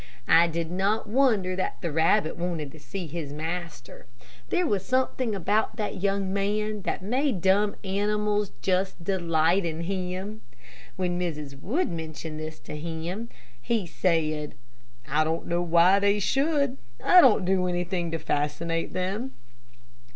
I did not wonder that the rabbit wanted to see his master. There was something about that young man that made dumb animals just delight in him. When Mrs. Wood mentioned this to him he said, "I don't know why they should I don't do anything to fascinate them."